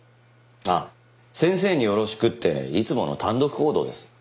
あっ「先生によろしく」っていつもの単独行動です。